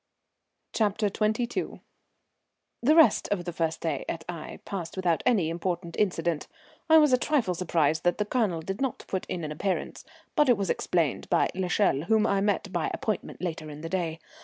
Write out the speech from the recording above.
CHAPTER XXII. The rest of the first day at Aix passed without any important incident. I was a trifle surprised that the Colonel did not put in an appearance; but it was explained by l'Echelle, whom I met by appointment later in the day.